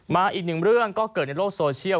อีกหนึ่งเรื่องก็เกิดในโลกโซเชียล